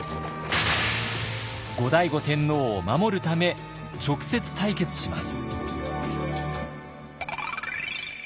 後醍醐天皇を守るため直接対決します。